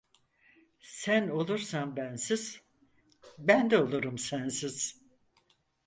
Sen olursan bensiz, ben de olurum sensiz.